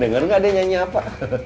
denger gak deh nyanyi apa